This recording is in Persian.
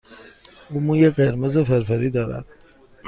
او موی قرمز فرفری دارد.